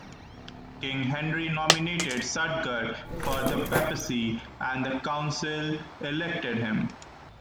King Henry nominated Suidger for the papacy and the council elected him.